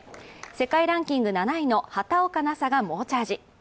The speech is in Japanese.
世界ランキング７位の畑岡奈紗が猛チャージ。